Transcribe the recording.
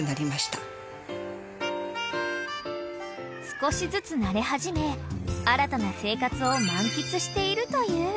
［少しずつなれ始め新たな生活を満喫しているという］